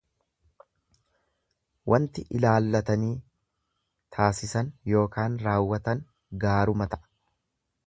Wanti ilaallatanii taasisan ykn raawwatan gaaruma ta'a.